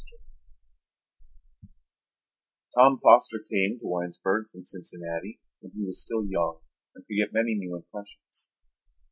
DRINK Tom Foster came to Winesburg from Cincinnati when he was still young and could get many new impressions.